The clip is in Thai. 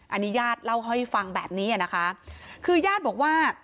อันนี้ญาติเล่าให้ฟังแบบนี้อ่ะนะคะคือญาติบอกว่า